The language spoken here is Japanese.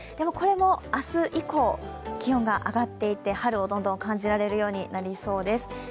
これも明日以降、気温が上がっていて春をどんどん感じられるようになりそうです。